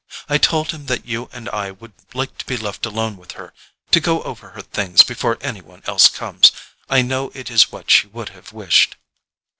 I told him that you and I would like to be left alone with her—to go over her things before any one else comes. I know it is what she would have wished."